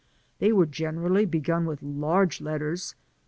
They were generally begun with large letters